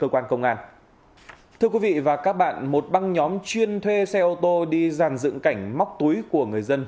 thưa quý vị và các bạn một băng nhóm chuyên thuê xe ô tô đi dàn dựng cảnh móc túi của người dân